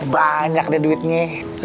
banyak deh duitnya